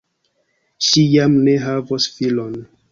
Ŝi jam ne havos filon.